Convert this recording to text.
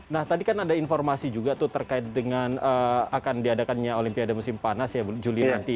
nah tadi kan ada informasi juga tuh terkait dengan akan diadakannya olimpiade musim panas ya juli nanti